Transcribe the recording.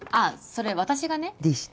それ私がねでした